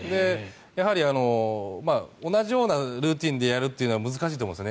やはり同じようなルーチンでやるというのは難しいと思うんですね。